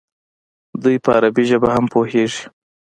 دوی په عربي ژبه هم پوهېږي.